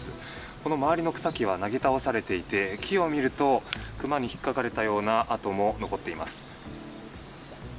この周りの草木はなぎ倒されていて木を見るとクマに引っかかれたような跡も残っています。